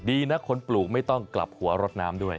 ดีนะคนปลูกไม่ต้องกลับหัวรถน้ำด้วย